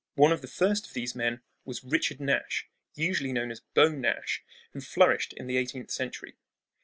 One of the first of these men was Richard Nash, usually known as "Beau Nash," who flourished in the eighteenth century.